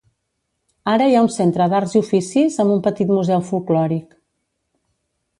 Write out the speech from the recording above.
Ara hi ha un centre d'arts i oficis amb un petit museu folklòric.